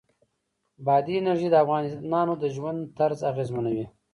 بادي انرژي د افغانانو د ژوند طرز اغېزمنوي.